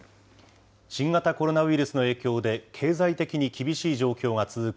新型コロナウイルスの影響で、経済的に厳しい状況が続く